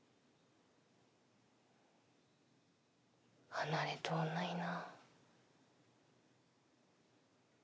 離れとうないな。